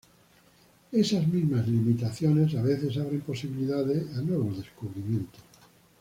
Esas mismas limitaciones a veces abren posibilidades a nuevos descubrimientos.